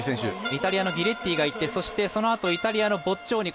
イタリアのギレッティがいってそして、そのあとイタリアのボッジョーニ。